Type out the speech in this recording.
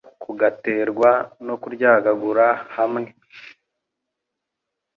cyangwa kugaterwa no kuryagagura hamwe